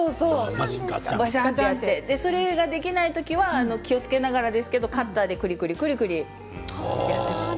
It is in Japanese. それができない時は気をつけながらカッターでくりくりと穴を開けています。